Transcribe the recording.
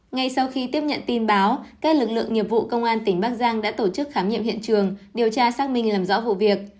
ngay sau khi tiếp nhận tin báo các lực lượng nghiệp vụ công an tỉnh bắc giang đã tổ chức khám nghiệm hiện trường điều tra xác minh làm rõ vụ việc